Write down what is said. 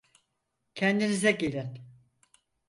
Kendinize gelin!